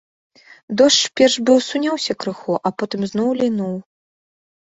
Дождж перш быў суняўся крыху, а потым зноў лінуў.